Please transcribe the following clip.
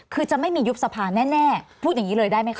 คือจะไม่มียุบสภาแน่พูดอย่างนี้เลยได้ไหมคะ